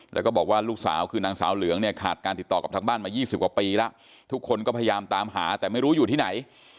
แล้วก็บอกว่าลูกสาวคือนางสาวเหลืองเนี่ยขาดการติดต่อกับทางบ้านมา๒๐กว่าปีแล้วทุกคนก็พยายามตามหาแต่ไม่รู้อยู่ที่ไหน